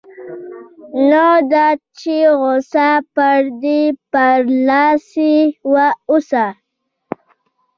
نه دا چې غوسه پر ده برلاسې اوسي.